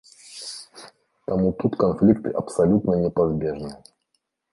Таму тут канфлікты абсалютна непазбежныя.